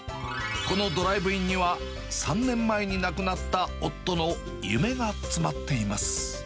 このドライブインには３年前に亡くなった夫の夢が詰まっています。